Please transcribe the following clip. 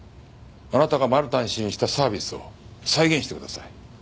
あなたがマルタン氏にしたサービスを再現してください。